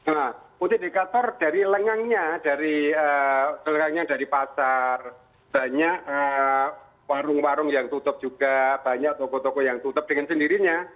nah untuk indikator dari lengangnya dari lengangnya dari pasar banyak warung warung yang tutup juga banyak toko toko yang tutup dengan sendirinya